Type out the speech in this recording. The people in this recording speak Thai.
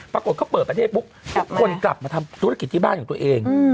ปรากฏเขาเปิดประเทศปุ๊บทุกคนกลับมาทำธุรกิจที่บ้านของตัวเอง